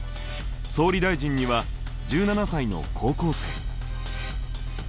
総理大臣には１７才の高校生。